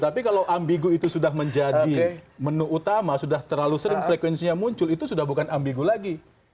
tapi kalau ambigu itu sudah menjadi menu utama sudah terlalu sering frekuensinya muncul itu sudah bukan ambigu lagi